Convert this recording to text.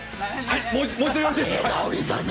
もう一度よろしいですか？